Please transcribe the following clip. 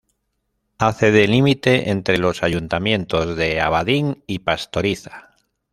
Hace de límite entre los ayuntamientos de Abadín y Pastoriza.